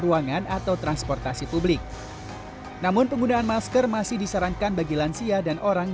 ruangan atau transportasi publik namun penggunaan masker masih disarankan bagi lansia dan orang